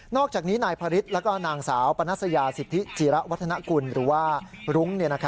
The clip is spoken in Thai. อกจากนี้นายพระฤทธิ์แล้วก็นางสาวปนัสยาสิทธิจิระวัฒนกุลหรือว่ารุ้ง